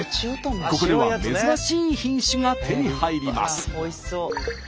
ここでは珍しい品種が手に入ります。